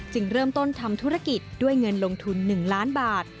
เริ่มต้นทำธุรกิจด้วยเงินลงทุน๑ล้านบาท